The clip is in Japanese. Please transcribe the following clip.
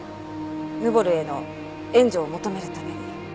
ヌボルへの援助を求めるために。